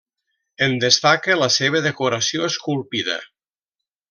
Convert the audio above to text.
En destaca la seva decoració esculpida.